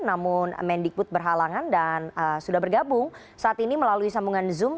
namun mendikbud berhalangan dan sudah bergabung saat ini melalui sambungan zoom